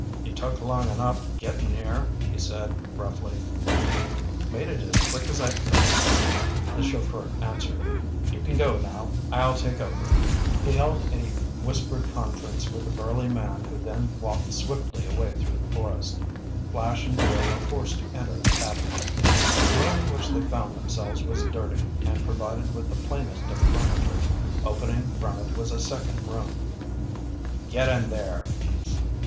"You took long enough getting here!" he said gruffly. "Made it as quick as I could," the chauffeur answered. "You can go now. I'll take over." He held a whispered conference with the burly man who then walked swiftly away through the forest. Flash and Doyle were forced to enter the cabin. The room in which they found themselves was dirty, and provided with the plainest of furniture. Opening from it was a second room. "Get in there!"